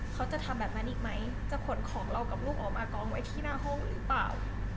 เขาจะทำแบบนั้นอีกไหมจะขนของเรากับลูกออกมากองไว้ที่หน้าห้องหรือเปล่า